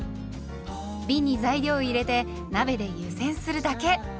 びんに材料を入れて鍋で湯煎するだけ。